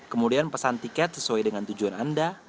kemudian pesan tiket sesuai dengan tujuan anda